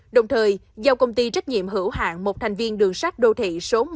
đồng thời giao công ty trách nhiệm hữu hạng một thành viên đường sát đô thị số một